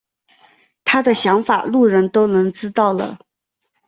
他的想法路人都能知道了。